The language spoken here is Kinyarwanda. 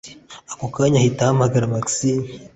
ako kanya ahita ahamagara maxime